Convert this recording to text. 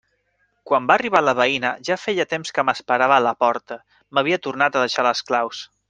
Quan va arribar la veïna, ja feia temps que m'esperava a la porta: m'havia tornat a deixar les claus.